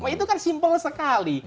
itu kan simpel sekali